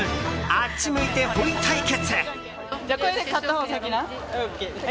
あっち向いてホイ対決！